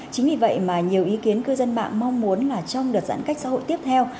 chính vì vậy mà nhiều ý kiến cư dân mạng mong muốn là trong đợt giãn cách xã hội tiếp theo